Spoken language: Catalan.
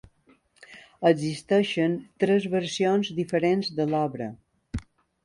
Existeixen tres versions diferents de l'obra.